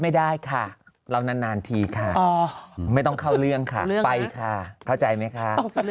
ไม่ได้ค่ะเรานานทีค่ะไม่ต้องเข้าเรื่องค่ะไปค่ะเข้าใจไหมคะ